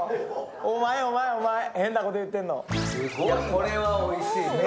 これはおいしい。